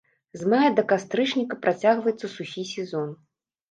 З мая да кастрычніка працягваецца сухі сезон.